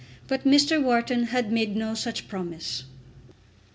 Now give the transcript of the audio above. But Mr. Wharton had made no such promise.